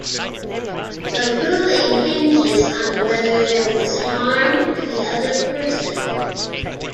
The ruling hinges on whether there was harm to the other person.